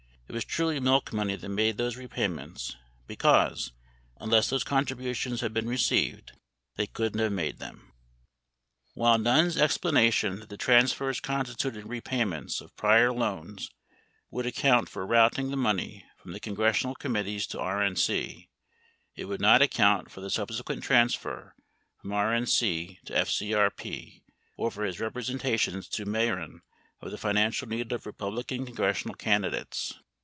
[I]t was truly milk money that made those repay ments because, unless those contributions had been received, they couldn't have made them. 43 While Nunn's explanation that the transfers constituted repayments of prior loans would account for routing the money from the con gressional committees to RNC, it would not account for the subse quent transfer from RNC to FCRP or for his representations to Meh ren of the financial need of Republican congressional candidates.